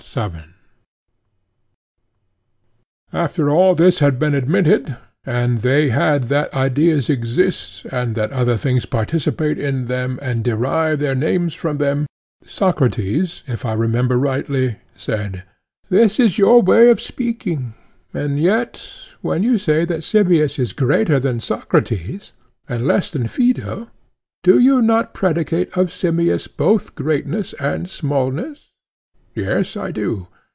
PHAEDO: After all this had been admitted, and they had that ideas exist, and that other things participate in them and derive their names from them, Socrates, if I remember rightly, said:— This is your way of speaking; and yet when you say that Simmias is greater than Socrates and less than Phaedo, do you not predicate of Simmias both greatness and smallness? Yes, I do.